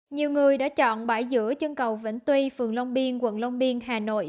nhiều người đã chọn bãi giữa chân cầu vĩnh tuy phường long biên quận long biên hà nội